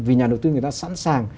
vì nhà đầu tư người ta sẵn sàng